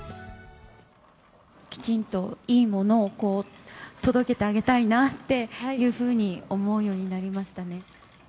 きちんといいものを届けてあげたいなっていうふうに思うようになりましたね。